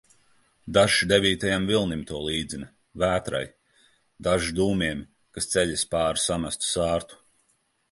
Dažs devītajam vilnim to līdzina, vētrai, dažs dūmiem, kas ceļas pār samestu sārtu.